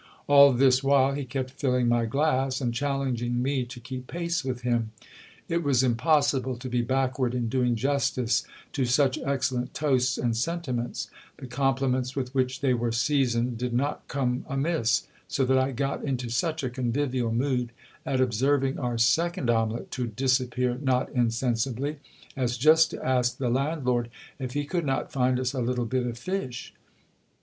All this while he kept filling my glass, and challenging me to keep pace with him. It was impossible to be backward in doing justice to such excellent toasts and sentiments : the compliments with which they were seasoned did not come amiss ; so that I got into such a convivial mood, at observing our second ome let to disappear not insensibly, as just to ask the landlord if he could not find us a little bit of fish.